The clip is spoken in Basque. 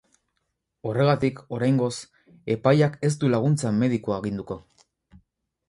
Horregatik, oraingoz, epaileak ez du laguntza medikua aginduko.